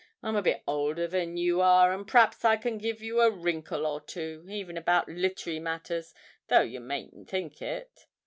I'm a bit older than you are, and p'r'aps I can give you a wrinkle or two, even about littery matters, though you mayn't think it.